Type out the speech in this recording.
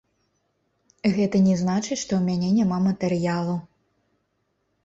Гэта не значыць, што ў мяне няма матэрыялу.